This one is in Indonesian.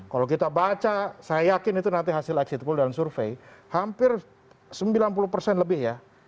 kalau kita baca saya yakin itu nanti hasil exit pool dan survei hampir sembilan puluh persen lebih ya